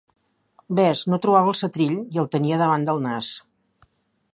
Ves, no trobava el setrill, i el tenia davant del nas.